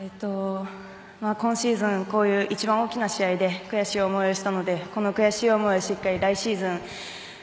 今シーズンこういう一番大きな試合で悔しい思いをしたのでこの悔しい思いをしっかり来シーズン